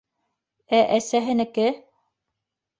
Ә әсәһенеке?